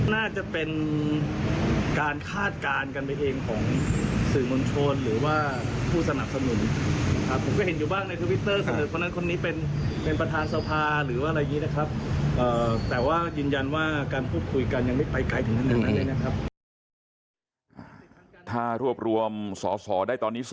น่าจะเป็นการคาดการณ์กันไปเองของสื่อมนต์โชนหรือว่าผู้สนับสนุน